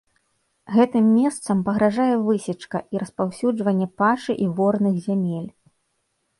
Гэтым месцам пагражае высечка і распаўсюджванне пашы і ворных зямель.